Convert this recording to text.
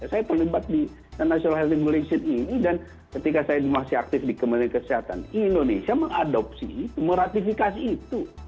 saya terlibat di international health regulation ini dan ketika saya masih aktif di kementerian kesehatan indonesia mengadopsi meratifikasi itu